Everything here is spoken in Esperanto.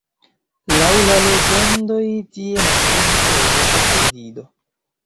Laŭ la legendoj tie naskiĝis Eŭropa kaj Dido.